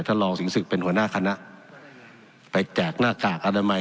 รองสิงศึกเป็นหัวหน้าคณะไปแจกหน้ากากอนามัย